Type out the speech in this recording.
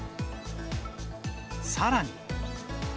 さらに。